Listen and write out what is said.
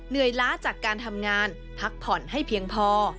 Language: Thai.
ล้าจากการทำงานพักผ่อนให้เพียงพอ